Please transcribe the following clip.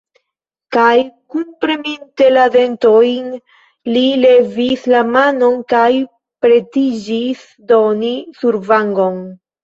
Kaj, kunpreminte la dentojn, li levis la manon kaj pretiĝis doni survangon.